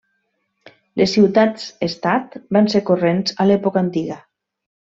Les ciutats estat van ser corrents a l'època Antiga.